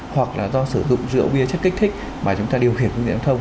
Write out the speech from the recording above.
hoặc là do sử dụng rượu bia chất kích thích mà chúng ta điều khiển những điện thông